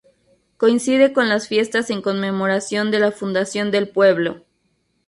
Coincide con las fiestas en conmemoración de la fundación del pueblo.